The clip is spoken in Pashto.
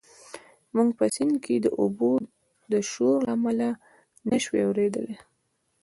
موږ په سیند کې د اوبو د شور له امله نه شوای اورېدلی.